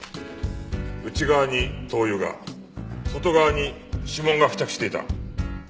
内側に灯油が外側に指紋が付着していた。